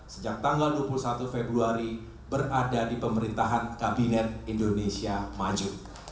sejak tanggal dua puluh satu februari berada di pemerintahan kabinet indonesia maju